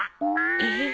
えっ！？